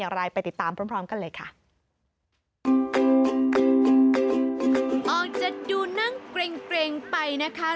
ออกจากดูนั่งเกร็งไปนะคะ